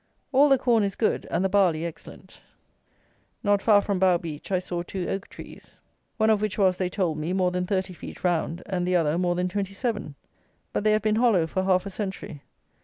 All the corn is good, and the barley excellent. Not far from Bough beach, I saw two oak trees, one of which was, they told me, more than thirty feet round, and the other more than twenty seven; but they have been hollow for half a century.